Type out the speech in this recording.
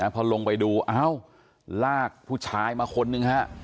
พอลงไปดูเอ้าลากผู้ชายมาคนนึงฮะ